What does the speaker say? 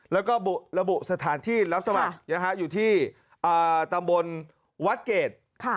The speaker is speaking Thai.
แล้วก็ระบุสถานที่รับสมัครอยู่ที่ตำบลวัดเกรด